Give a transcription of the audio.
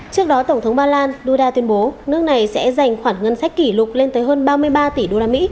trước đó tổng thống ba lan duda tuyên bố nước này sẽ dành khoản ngân sách kỷ lục lên tới hơn ba mươi ba tỷ usd